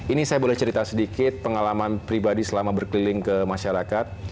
ini saya boleh cerita sedikit pengalaman pribadi selama berkeliling ke masyarakat